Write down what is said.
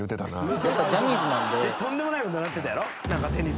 とんでもないことになってたやろ？